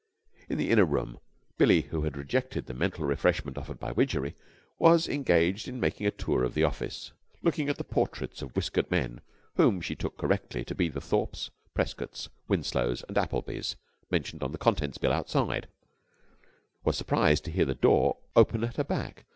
In the inner room, Billie, who had rejected the mental refreshment offered by Widgery, and was engaged in making a tour of the office, looking at the portraits of whiskered men whom she took correctly to be the Thorpes, Prescotts, Winslows and Applebys mentioned on the contents bill outside, was surprised to hear the door open at her back.